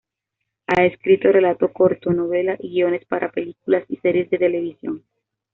Ha escrito relato corto, novela y guiones para películas y series de televisión.